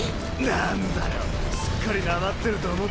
なんだよすっかりなまってると思ったら。